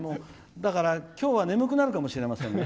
だから、きょうは眠くなるかもしれませんね。